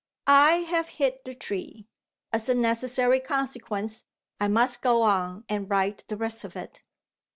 I have hit the tree. As a necessary consequence, I must go on and write the rest of it.